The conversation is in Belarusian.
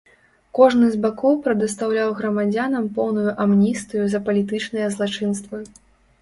Кожны з бакоў прадастаўляў грамадзянам поўную амністыю за палітычныя злачынствы.